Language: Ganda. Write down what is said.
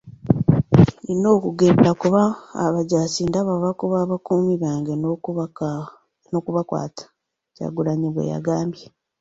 Nina okugenda kuba abajaasi ndaba bakuba abakuumi bange n'okubakwata.” Kyagulanyi bw'agambye.